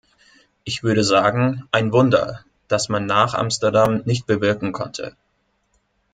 Ich würde sagen, ein Wunder, das man nach Amsterdam nicht bewirken konnte.